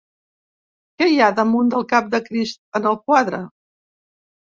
Què hi ha damunt del cap de Crist en el quadre?